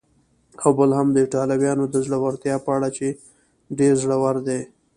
او بل هم د ایټالویانو د زړورتیا په اړه چې ډېر زړور دي.